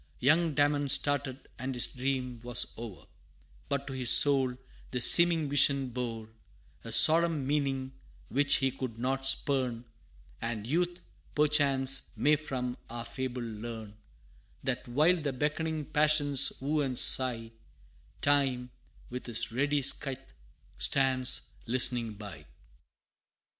Young Damon started, and his dream was o'er, But to his soul, the seeming vision bore A solemn meaning, which he could not spurn And Youth, perchance, may from our fable learn, That while the beckoning passions woo and sigh, TIME, with his ready scythe, stands listening by.